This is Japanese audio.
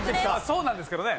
そうなんですけどね。